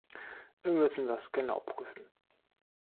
Wir müssen das genau prüfen.